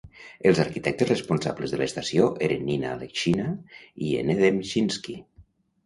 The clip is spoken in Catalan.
Els arquitectes responsables de l'estació eren Nina Aleshina i N. Demchinsky.